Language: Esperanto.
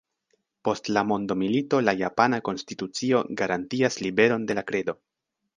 Post la mondomilito la japana konstitucio garantias liberon de la kredo.